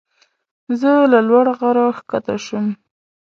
زه له لوړ غره ښکته شوم.